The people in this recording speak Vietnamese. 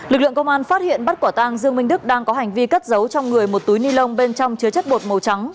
lực lượng công an phát hiện bắt quả tang dương minh đức đang có hành vi cất giấu trong người một túi ni lông bên trong chứa chất bột màu trắng